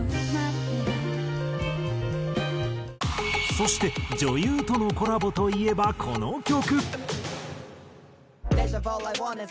そして女優とのコラボといえばこの曲。